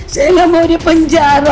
saya gak mau di penjara